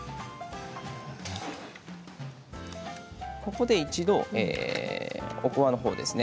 ここで一度おこわのほうですね。